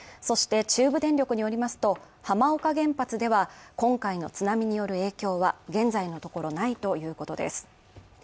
そして中部電力によりますと、浜岡原発では、今回の津波による影響は現在のところないということです。